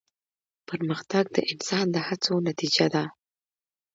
پرمختګ د انسان د هڅو نتیجه ده.